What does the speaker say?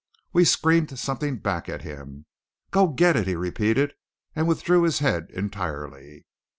We screamed something back at him. "Go get it!" he repeated; and withdrew his head entirely.